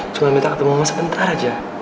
cuma minta ketemu mama sebentar aja